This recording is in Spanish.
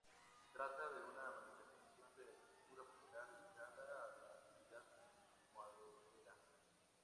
Se trata de una manifestación de arquitectura popular, dedicada a la actividad maderera.